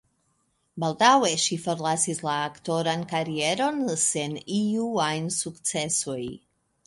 Baldaŭe ŝi forlasis la aktoran karieron sen iu ajn sukcesoj.